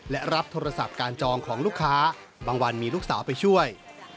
และรับโทรศัพท์การจองของลูกค้าบางวันมีลูกสาวไปช่วย